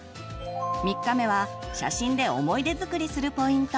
３日目は写真で思い出づくりするポイント。